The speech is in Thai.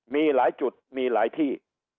มีหลายจุดมีหลายที่